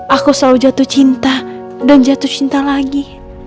aku selalu jatuh cinta dan jatuh cinta lagi